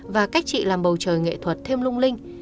và cách chị làm bầu trời nghệ thuật thêm lung linh